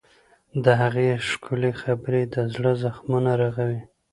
د هغې ښکلي خبرې د زړه زخمونه رغوي.